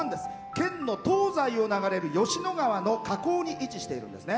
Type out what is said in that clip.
県の東西を流れる吉野川の河口に位置しているんですね。